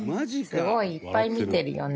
すごいいっぱい見てるよね